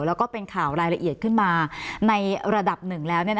แล้วก็เป็นข่าวรายละเอียดขึ้นมาในระดับหนึ่งแล้ว